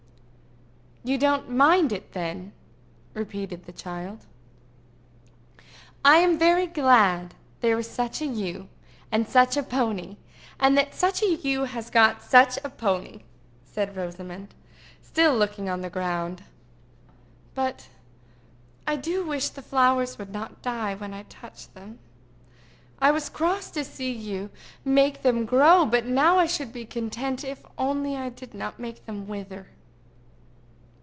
"You don't mind it, then?" repeated the child. "I am very glad there is such a you and such a pony, and that such a you has got such a pony," said Rosamond, still looking on the ground. "But I do wish the flowers would not die when I touch them. I was cross to see you make them grow, but now I should be content if only I did not make them wither."